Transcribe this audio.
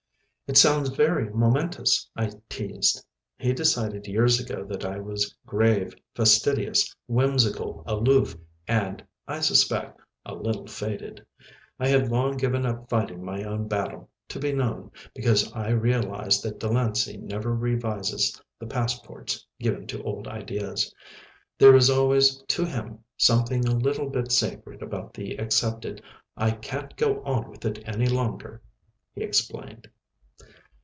"It sounds very momentous," I teased. He decided years ago that I was grave, fastidious, whimsical, aloof and (I suspect) a little faded. I have long given up fighting my own battle (to be known) because I realise that Delancey never revises the passports given to old ideas. There is always, to him, something a little bit sacred about the accepted. "I can't go on with it any longer," he explained.